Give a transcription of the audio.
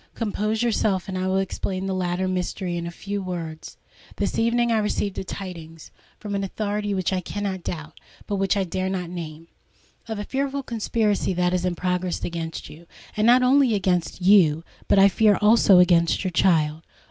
Compose yourself, and I will explain the latter mystery in a few words. This evening I received tidings—from an authority which I cannot doubt, but which I dare not name—of a fearful conspiracy that is in progress against you,—not only against you, but I fear also against your child."